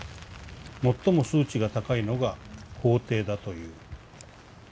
最も数値が高いのが校庭だという。